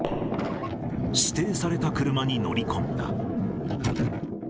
指定された車に乗り込んだ。